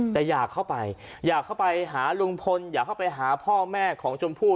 แต่อยากเข้าไปอยากเข้าไปหาลุงพลอยากเข้าไปหาพ่อแม่ของชมพู่